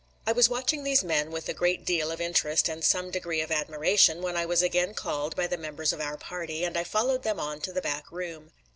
I was watching these men with a great deal of interest and some degree of admiration when I was again called by the members of our party, and I followed them on to the back room.